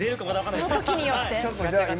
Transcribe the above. そのときによって。